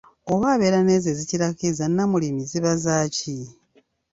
Oba ababeera n'ezo ezikirako eza Nnamulimi ziba zaaki ?